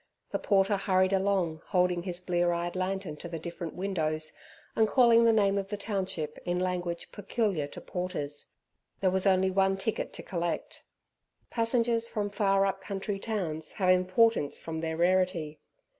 The porter hurried along holding his blear eyed lantern to the different windows, and calling the name of the township in language peculiar to porters. There was only one ticket to collect. Passengers from far up country towns have importance from their rarity.